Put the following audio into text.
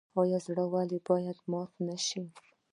زړه ولې باید مات نشي؟